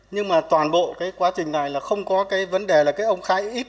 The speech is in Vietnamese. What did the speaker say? nhưng mà toàn bộ cái quá trình này là không có cái vấn đề là cái ông khái ít